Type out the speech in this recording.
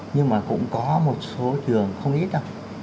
nhưng mà cũng có một số trường không ít đâu